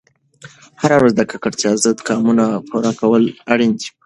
هره ورځ د ککړتیا ضد ګامونه پورته کول اړین دي.